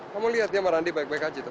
kamu lihat dia sama randi baik baik aja tuh